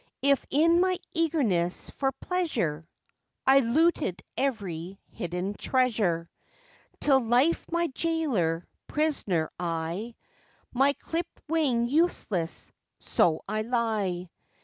If in my eagerness for pleasure I looted every hidden treasure Till life my jailer, prisoner I, My clipped wing useless, so I lie.